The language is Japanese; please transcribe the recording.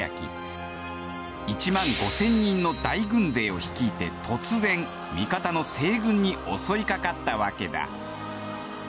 １万５，０００人の大軍勢を率いて突然味方の西軍に襲いかかったわけだ。